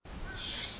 よし。